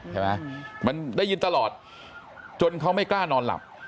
เห็นไหมมันได้ยินตลอดจนเขาไม่กล้านอนหลับ